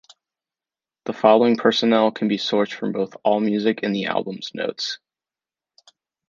The following personnel can be sourced from both AllMusic and the album's notes.